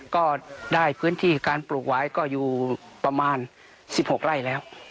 ก็ได้พื้นที่การปลูกไว้ก็อยู่ประมาณ๑๖ไร่แล้ว